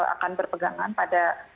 akan berpegangan pada